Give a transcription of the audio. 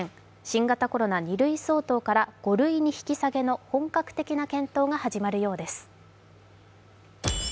新型コロナ２類相当から５類に引き下げの本格的な検討が始まるようです。